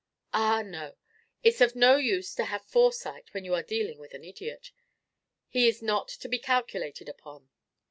Ah, no! It's of no use to have foresight when you are dealing with an idiot: he is not to be calculated upon.